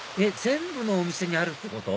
全部のお店にあるってこと？